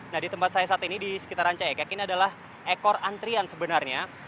nah di tempat saya saat ini di sekitar ranca ekek ini adalah ekor antrian sebenarnya